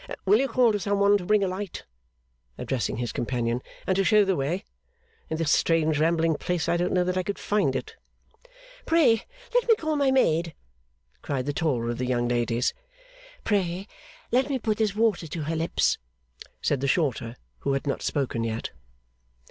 Will you call to some one to bring a light?' addressing his companion, 'and to show the way? In this strange rambling place I don't know that I could find it.' 'Pray, let me call my maid,' cried the taller of the young ladies. 'Pray, let me put this water to her lips,' said the shorter, who had not spoken yet.